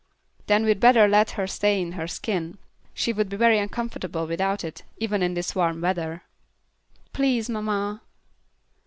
"Then we'd better let her stay in her skin. She would be very uncomfortable without it, even in this warm weather." "Please, mamma."